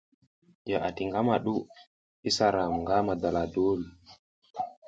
Ya ati ngama du isa ram nga madala duwul.